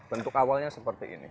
bentuk awalnya seperti ini